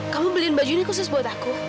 kamu beliin baju ini khusus buat aku